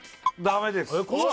ダメです